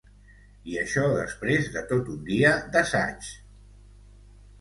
I això després de tot un dia d'assaigs.